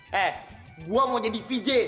hei gue mau jadi vj